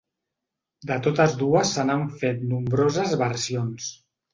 De totes dues se n'han fet nombroses versions.